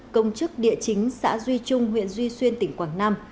chính xã duy trung huyện duy xuyên tỉnh quảng nam